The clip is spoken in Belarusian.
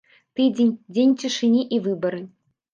Тыдзень, дзень цішыні і выбары.